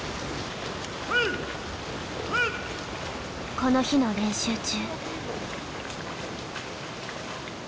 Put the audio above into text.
この日の練習中。